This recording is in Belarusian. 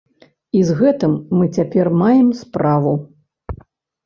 І з гэтым мы цяпер маем справу.